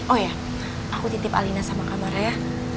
oh iya aku titip alina sama kak marah ya